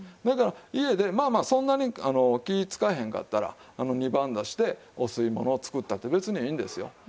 だから家でまあまあそんなに気ぃ使わへんかったら二番だしでお吸いものを作ったって別にいいんですよ。